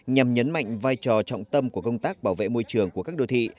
nhằm nhấn mạnh vai trò trọng tâm của công tác bảo vệ môi trường của các đô thị